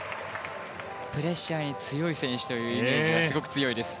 プレッシャーに強い選手というイメージがすごく強いです。